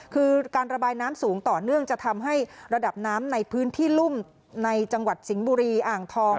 คือการระบายน้ำสูงต่อเนื่องจะทำให้ระดับน้ำในพื้นที่ลุ่มในจังหวัดสิงห์บุรีอ่างทอง